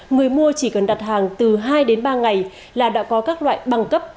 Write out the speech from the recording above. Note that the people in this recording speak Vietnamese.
người mua chỉ cần đặt hàng từ hai đến ba ngày là đã có các loại băng cấp